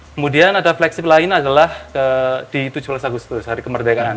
kemudian ada flagship lain adalah di tujuh belas agustus hari kemerdekaan